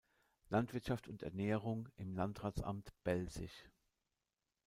Landwirtschaft und Ernährung im Landratsamt Belzig.